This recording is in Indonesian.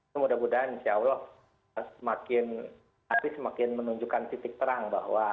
semoga semakin semakin menunjukkan titik terang bahwa